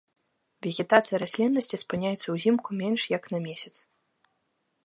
Вегетацыя расліннасці спыняецца ўзімку менш як на месяц.